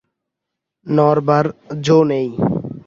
নড়বার জো নেই।